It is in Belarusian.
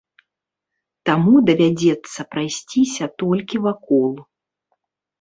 Таму давядзецца прайсціся толькі вакол.